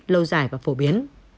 lâu dài và khó thở